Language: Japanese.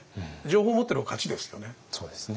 情報持ってる方が勝ちですよね。